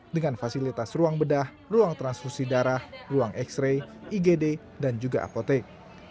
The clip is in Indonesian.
dengan fasilitas ruang bedah ruang transfusi darah ruang x ray igd dan juga apotek